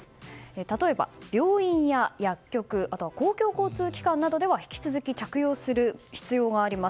例えば、病院や薬局公共交通機関などでは引き続き着用する必要があります。